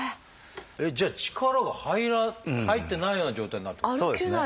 えっじゃあ力が入ってないような状態になるってことですか？